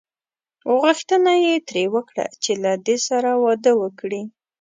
غوښتنه یې ترې وکړه چې له دې سره واده وکړي.